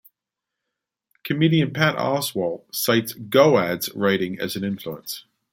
Comedian Patton Oswalt cites Goad's writing as an influence.